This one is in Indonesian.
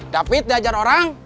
david diajar orang